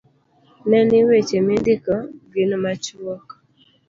Ne ni weche mindiko gin machuok